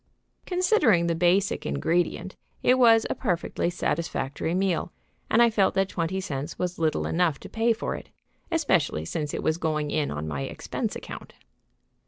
"] Considering the basic ingredient, it was a perfectly satisfactory meal, and I felt that twenty cents was little enough to pay for it, especially since it was going in on my expense account.